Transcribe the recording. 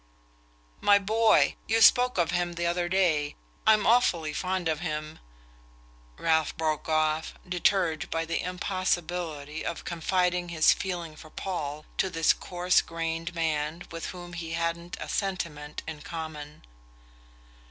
"My boy...you spoke of him the other day... I'm awfully fond of him " Ralph broke off, deterred by the impossibility of confiding his feeling for Paul to this coarse grained man with whom he hadn't a sentiment in common.